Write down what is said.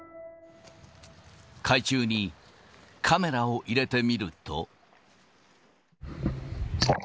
海中にカメラを入れてみると。